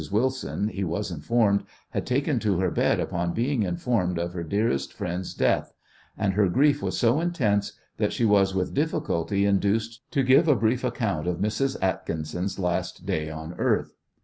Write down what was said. Wilson, he was informed, had taken to her bed upon being informed of her dearest friend's death, and her grief was so intense that she was with difficulty induced to give a brief account of Mrs. Atkinson's last day on earth.